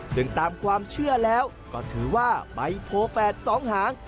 ซึ่งตามความเชื่อแล้วก็ถือว่าใบโพแฝดสองหาง